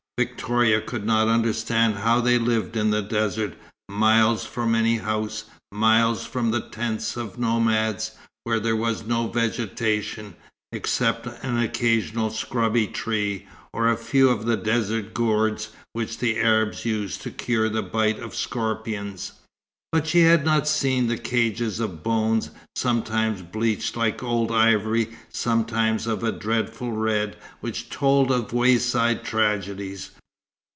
Victoria could not understand how they lived in the desert, miles from any house, miles from the tents of nomads; where there was no vegetation, except an occasional scrubby tree, or a few of the desert gourds which the Arabs use to cure the bite of scorpions. But she had not seen the cages of bones, sometimes bleached like old ivory, sometimes of a dreadful red, which told of wayside tragedies.